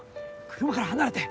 車から離れて。